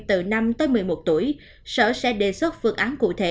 từ năm tới một mươi một tuổi sở sẽ đề xuất phương án cụ thể